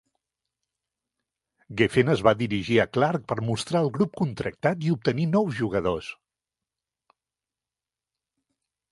Geffen es va dirigir a Clarke per mostrar el grup contractat i obtenir nous jugadors.